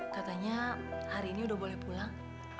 katanya hari ini udah boleh pulang